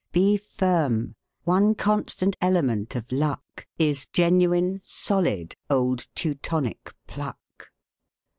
'" Be firm; one constant element of luck Is genuine, solid, old Teutonic pluck.